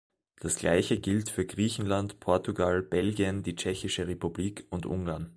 Das Gleiche gilt für Griechenland, Portugal, Belgien, die Tschechische Republik und Ungarn.